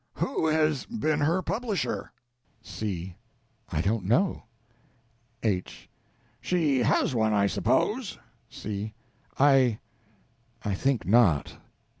Who has been her publisher? C. I don't know. H. She _has _one, I suppose? C. I I think not.